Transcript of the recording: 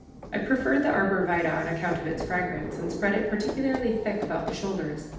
I preferred the arbor vitæ on account of its fragrance, and spread it particularly thick about the shoulders.